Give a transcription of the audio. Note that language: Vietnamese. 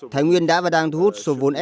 thái nguyên đã và đang thu hút số lượng đồng bộ